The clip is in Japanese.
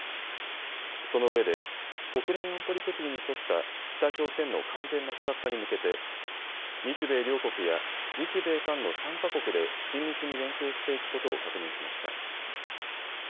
そのうえで国連安保理決議に沿った北朝鮮の完全な非核化に向けて日米両国や日米韓の３か国で緊密に連携していくことを確認しました。